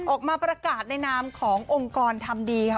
ออกมาประกาศในนามขององค์กรทำดีค่ะ